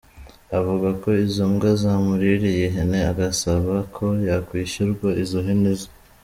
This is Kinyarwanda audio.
Avuga ko izo mbwa zamuririye ihene agasaba ko yakwishyurwa izo hene ze.